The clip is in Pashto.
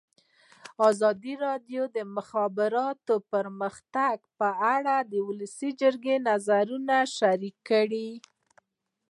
ازادي راډیو د د مخابراتو پرمختګ په اړه د ولسي جرګې نظرونه شریک کړي.